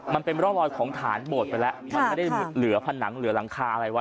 มันเป็นร่องรอยของฐานโบดไปแล้วมันไม่ได้เหลือผนังเหลือหลังคาอะไรไว้